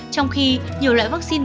trong khi nhiều loại vaccine